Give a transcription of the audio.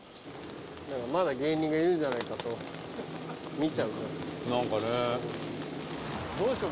まだ芸人がいるんじゃないかと見ちゃう。